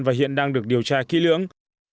và hiện đang được điều tra kỹ lưỡng